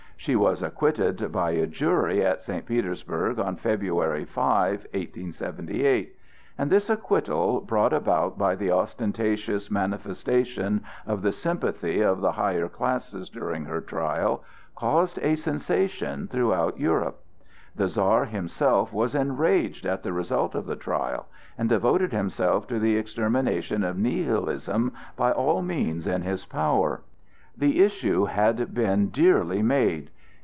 She was acquitted by a jury at St. Petersburg on February 5, 1878; and this acquittal, brought about by the ostentatious manifestation of the sympathy of the higher classes during her trial, caused a sensation throughout Europe. The Czar himself was enraged at the result of the trial, and devoted himself to the extermination of Nihilism by all means in his power. The issue had then been dearly made.